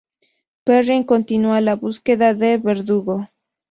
Perrin continúa la búsqueda de Verdugo.